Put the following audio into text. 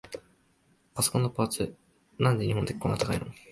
パソコンのパーツ、なんで日本だけこんな高いの？